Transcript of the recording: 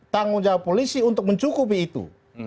tanggung jawab polisi untuk mencukupi itu